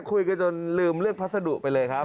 คุยกันจนลืมเลือกพัสดุไปเลยครับ